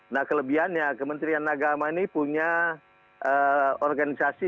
nah kelebihannya kementerian agama ini punya organisasi